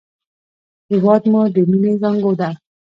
هېواد مو د مینې زانګو ده